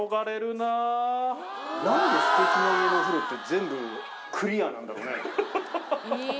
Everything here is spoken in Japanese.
なんですてきな家のお風呂って、全部クリアなんだろうね。